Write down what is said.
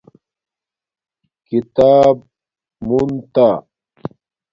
کتاب مونتا